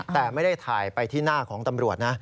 แต่ไม่ได้ถ่ายไปที่หน้าของตำรวจนะ